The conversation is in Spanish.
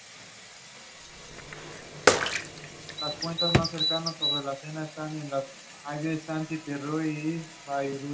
Tiene como presentadora a Mónica Sánchez.